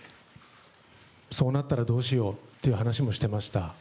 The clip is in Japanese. そうなったらどうしようという話もしてました。